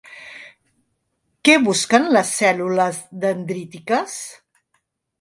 Què busquen les cèl·lules dendrítiques?